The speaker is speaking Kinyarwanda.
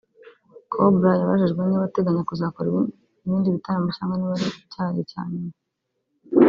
Cobra yabajijwe niba ateganya kuzakora ibindi bitaramo cyangwa niba cyari icya nyuma